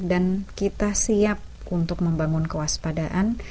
dan kita siap untuk membangun kewaspadaan